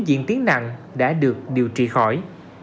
chuyện tiếng nặng đã được điều trị khỏi